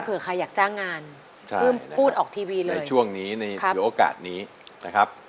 เผื่อใครอยากจ้างงานพื้มพูดออกทีวีเลยในช่วงนี้ในโอกาสนี้นะครับ